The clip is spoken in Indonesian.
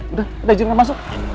udah udah jangan masuk